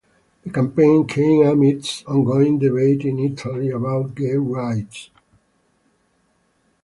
The campaign came amidst ongoing debate in Italy about gay rights.